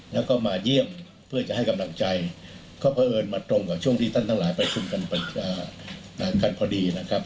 แล้วก็มาเยี่ยมเพื่อจะให้กำลังใจก็เพราะเอิญมาตรงกับช่วงที่ท่านทั้งหลายประชุมกันพอดีนะครับ